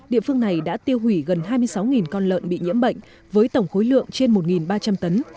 địa phương này đã tiêu hủy gần hai mươi sáu con lợn bị nhiễm bệnh với tổng khối lượng trên một ba trăm linh tấn